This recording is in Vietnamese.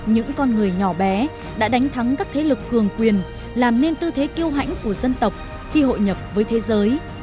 những con người nhỏ bé đã đánh thắng các thế lực cường quyền làm nên tư thế kêu hãnh của dân tộc khi hội nhập với thế giới